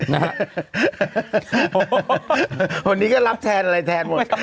วันนี้ก็รับแทนอะไรแทนหมด